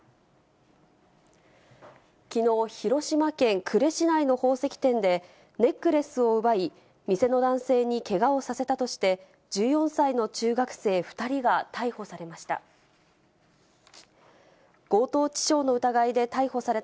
きのう、広島県呉市内の宝石店で、ネックレスを奪い、店の男性にけがをさせたとして、１４歳の中学生２人が逮捕されました。